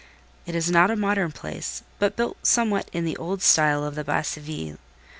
It is not a modern place, but built somewhat in the old style of the Basse Ville.